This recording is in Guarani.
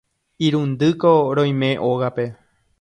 Irundýko roime ógape.